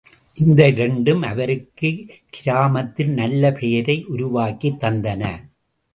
இந்த இரண்டும் அவருக்கு கிராமத்தில் நல்ல பெயரை உருவாக்கித் தந்தன.